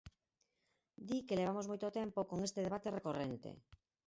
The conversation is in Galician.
Di que levamos moito tempo con este debate recorrente.